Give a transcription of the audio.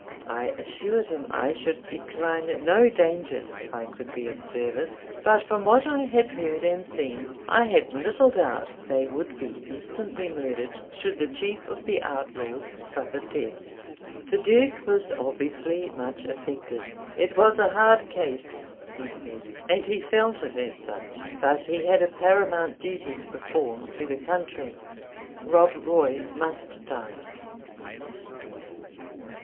I assured him I should decline no danger if I could be of service; but from what I had heard and seen, I had little doubt they would be instantly murdered should the chief of the outlaws suffer death. The Duke was obviously much affected. "It was a hard case," he said, "and he felt it as such; but he had a paramount duty to perform to the country Rob Roy must die!"